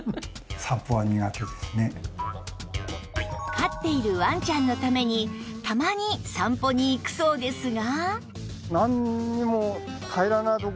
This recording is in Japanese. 飼っているワンちゃんのためにたまに散歩に行くそうですが